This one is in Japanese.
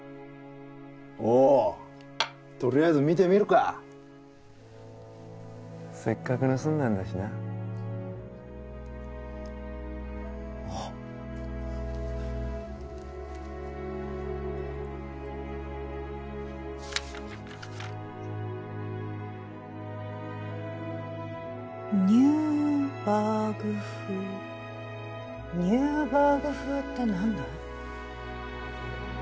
おおとりあえず見てみるかせっかく盗んだんだしな・ニューバーグ風ニューバーグ風って何だい？